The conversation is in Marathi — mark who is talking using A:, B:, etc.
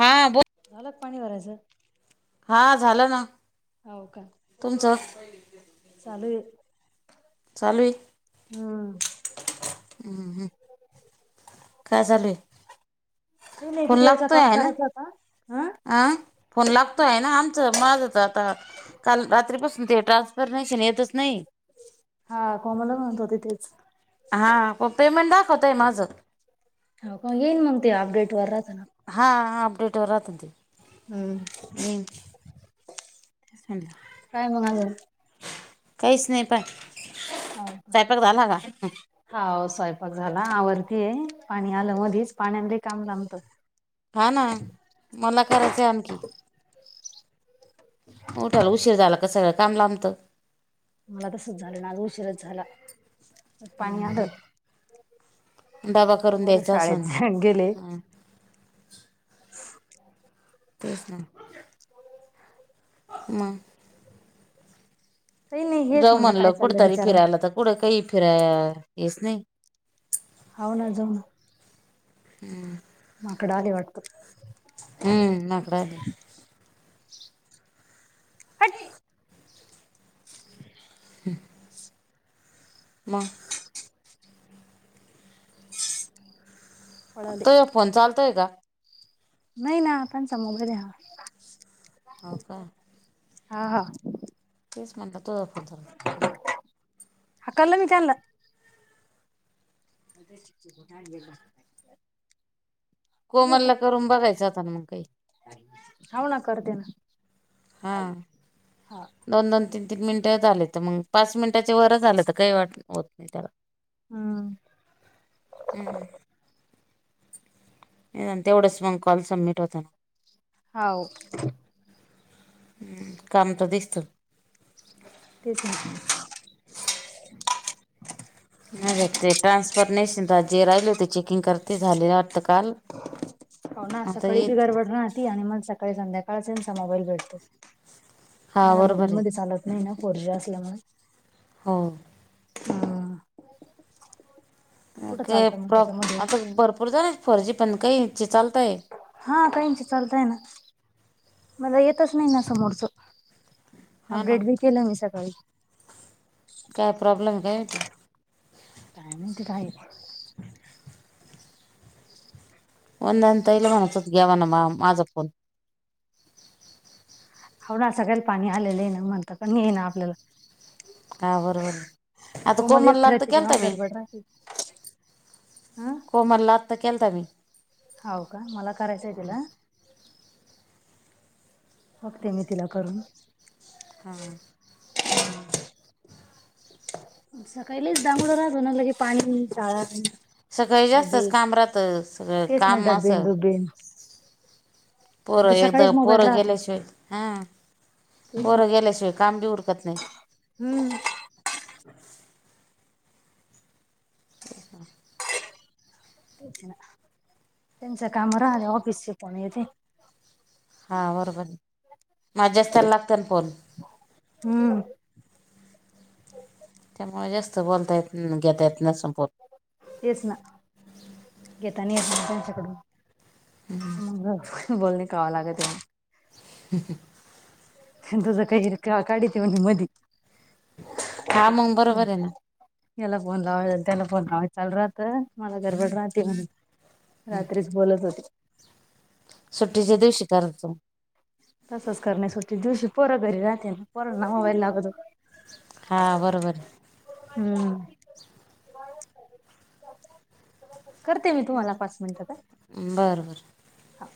A: ''हां'' बोल.
B: झालंत पाणी घालायचं.
A: हा झालं ना,
B: हो का,
A: तुमचं.
B: चालू आहे.
A: चालूय.
B: हम्म,
A: हम हम, काय झाचाले हे,
B: का [unintelligible] किती वेळेचा कॉल करायचा होता का अ
A: ''अं'' फोन लागतो आहे ना आमचं मज येतं आता. काल रात्रीपसून ते ट्रान्सफर येतच नाही.
B: हा, कोमला म्हणत होते तीच.
A: ''हां'' प पेमेंट दाखवत आहे माझं.
B: हो का, न मतेती अपडेट वर राहतं ना.
A: हा हा, अपडेटवर राह ते.
B: हम्म,
A: मी
B: काय अजून.
A: काहीच नाही पाय.
B: हो का,
A: स्वयंपाक झाला का
B: हो, स्वयंपाक झाला आवरतीये पाणी आलं मधीच पाण्या काम थांबतं.
A: हा ना, मला करायचं आणखी. उठाला उशीर झाला का सगळं काम लांबतं.
B: मला तसच झालं ना आज उशीरच झाला पाणी आलं.
A: डबा करून
B: पोर
A: द्यायचा असन
B: शाळेत गेले.
A: हा
B: [inaudible]
A: तेच ना मंग.
B: काही नाही हेच
A: जाऊ
B: काय
A: म्हणलं
B: चाललं
A: कुठतरी
B: विचारावं
A: फिरायला तर कुठं काही फिराय हेच नाही.
B: हो ना जाऊ.
A: हम्म,
B: माकड आली वाटत.
A: हम्म, माकड आली.
B: हाट.
A: ह [inaudible] मग.
B: पळाले
A: त या फोन चालतोय का.
B: नाही नाताण समोग द्यावा.
A: हो काय,
B: हा हा,
A: तेच ना आता तुया फतोर.
B: हाकललं मी त्यांला. [unintelligible] का
A: कोमलला करून बघायचता आता मग काही.
B: हाव णा करते ना.
A: हां,
B: हा हम्म
A: दोन दोन तीन तीन मिनिटं झाले तर मग पाच मिनिटाच्या वर झाले तर काही वाट होत नाही त्याला.
B: हा,
A: हम्म, नाही तेवढंच मग कॉल सबमिट होता ना.
B: हाव,
A: हम् काम तर दिसत.
B: तेच ना,
A: माजे ते ट्रान्सफॉर्मेशन जे राहिले त्यांची, किंग करते झालेले आता काल आता येतील,
B: ती मग सकाळी संध्याकाळचचा यांचा मोबाईल भेटतो
A: हा
B: माझ्या मोबाईल
A: बरोबर आहे
B: मध्ये चालत, नाही ना फोर जी असल्यामुळे,
A: हो,
B: हम्म कुठं
A: ओके
B: चालतं मग
A: प्रॉब्
B: त्याच्यामध्ये
A: आता भरपूर जणांचे फर्जी पण काहींचे चालता आहे.
B: हा काहींचे चालत आहे ना मला येतच नाही ना समोरचं,
A: हा ना
B: अपडेट बी केलं मी सकाळी.
A: काय प्रॉब्लेम आहे काय माहीती.
B: काय माहीती काय म,
A: वंदना ताईला म्हणा चत घ्या म्हणा माझा फोन,
B: हावना सगळ्याला पाणी आलेलं आहे ना म्हणत पण ये ना आपल्याला,
A: हा बरोबर आहे आता
B: कोमल
A: कोमलला
B: एकटी राहते
A: आत्ता
B: तीच्या
A: केलता
B: माग
A: मी
B: गडबड राहती. हं,
A: कोमलला आता केलता मी.
B: हव का मला करायचं आहे तीला, बघते मी तिला करून,
A: हां हा,
B: सकाळी लईच डांगडो राहतो ना लगेच पाणी शाळा.
A: सकाळी जास्तच
B: डबे
A: काम राहतं सगळं
B: तेच ना
A: काम
B: ड्बे
A: असं
B: डुबे
A: पोरं एकदा
B: मोबाईल
A: पोरं
B: राहतो
A: गेल्याशिवाय हां
B: तेच ना
A: पोरं गेल्याशिवाय काम बी उरकत नाही.
B: हम्म,
A: [inaudible]
B: त्यांच काम राहले ऑफिसचे फोन येते.
A: हा बरोबर माझ्याच त्यायला लागतल फोन,
B: हम्म,
A: त्यामुळे जास्त बोलतायेत नाही घेता येत नसन फोन,
B: तेच ना घेता नाही येत त्यांच्याकडून, बोलणे खावा लागते,
A: ह ह,
B: तुझ काहीही काढित म्हणे मधी,
A: हा मग बरोबर आहे ना,
B: याला फोन लावायचा त्याला फोन लावायचा चालु राहत मला गरबड राहते म्हणे रात्री, बोलत होते.
A: सुट्टीच्या दिवशी करत जाय.
B: तसंच करण्या सुोटते दिवशी पोरं घरी राहते पोरं ना मोबाईल लागतो.
A: हा बरोबर.
B: हम्म. करते मी तुम्हाला पाच मिनट
A: आहे बरं बरं
B: हां.